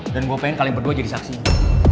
dan gue pengen kalian berdua jadi saksinya